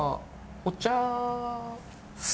お茶。